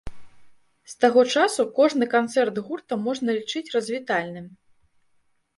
З таго часу кожны канцэрт гурта можна лічыць развітальным.